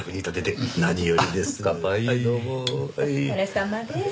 お疲れさまです。